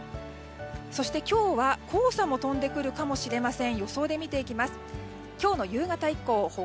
そして今日は、黄砂も飛んでくるかもしれません。